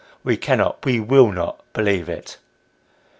We cannot we will not believe it.